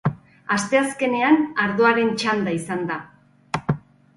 Asteazkenean, ardoaren txanda izan da.